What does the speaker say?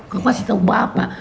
kau pasti tau bapak